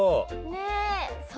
ねえ。